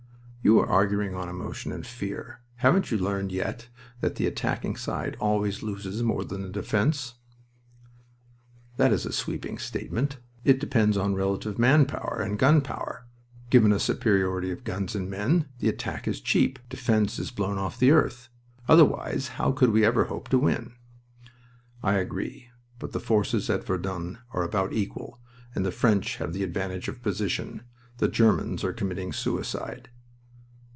"You are arguing on emotion and fear. Haven't you learned yet that the attacking side always loses more than the defense?" "That is a sweeping statement. It depends on relative man power and gun power. Given a superiority of guns and men, and attack is cheap. Defense is blown off the earth. Otherwise how could we ever hope to win?" "I agree. But the forces at Verdun are about equal, and the French have the advantage of position. The Germans are committing suicide."